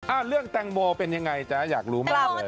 เรื่องแตงโมเป็นยังไงจ๊ะอยากรู้มากเลย